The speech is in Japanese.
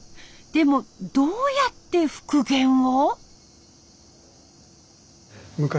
でもどうやって復元を？